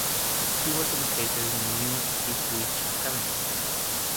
He was educated in the New Ipswich Academy.